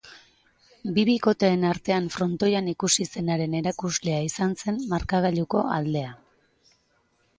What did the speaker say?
Bi bikoteen artean frontoian ikusi zenaren erakuslea izan zen markagailuko aldea.